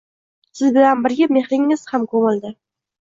Siz bilan birga mehringiz ham koʻmildi.